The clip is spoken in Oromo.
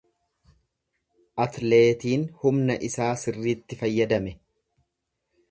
Atleetiin humna isaa sirriitti fayyadame.